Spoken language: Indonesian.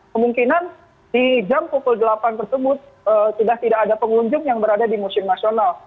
kemungkinan di jam pukul delapan tersebut sudah tidak ada pengunjung yang berada di museum nasional